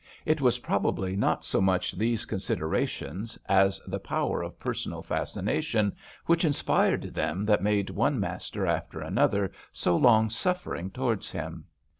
It was probably not so much these considerations as the power of personal fascination which inspired them that made one master after another so long suffering towards him.